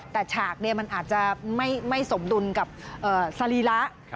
แต่ฉากมันอาจจะไม่สมดุลกับสรีระ